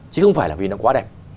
chứ không phải là vì nó quá đẹp